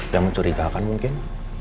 dan mencurigakan mungkin